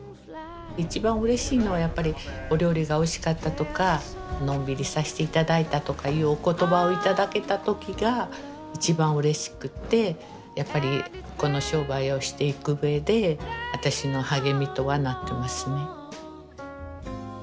一番うれしいのはやっぱりお料理がおいしかったとかのんびりさして頂いたとかいうお言葉を頂けた時が一番うれしくてやっぱりこの商売をしていくうえで私の励みとはなってますね。